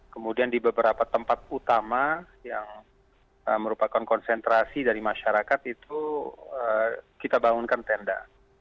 kemudian di beberapa tempat utama yang merupakan konsentrasi dari masyarakat itu kita bangunkan tenda